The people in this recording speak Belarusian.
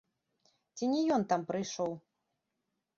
Ці не ён там прыйшоў?